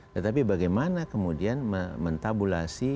tetapi bagaimana kemudian mentabulasi